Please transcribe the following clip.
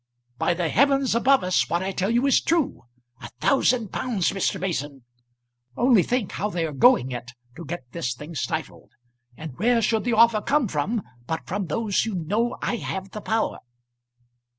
"By the heavens above us what I tell you is true! a thousand pounds, Mr. Mason! Only think how they are going it to get this thing stifled. And where should the offer come from but from those who know I have the power?"